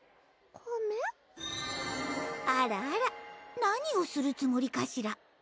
あらあら何をするつもりかしら？